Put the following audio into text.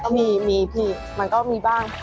พี่มันก็มีบ้าง